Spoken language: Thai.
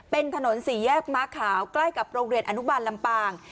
เป็นถนนสี่แยกม้าขาวใกล้กับโรงเรียนอนุบาลลำปาง